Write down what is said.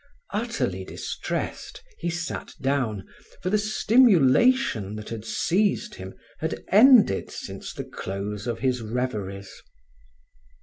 Utterly distressed, he sat down, for the stimulation that had seized him had ended since the close of his reveries.